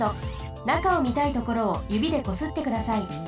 なかをみたいところをゆびでこすってください。